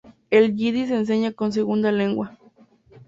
El yidis se enseña como segunda lengua.